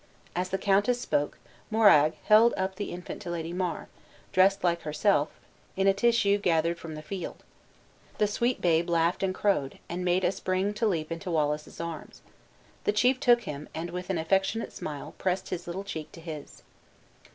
As the countess spoke, Moraig held up the infant to Lady Mar, dressed like herself, in a tissue gathered from the field. The sweet babe laughed and crowed, and made a spring to leap into Wallace's arms. The chief took him, and with an affectionate smile, pressed his little cheek to his.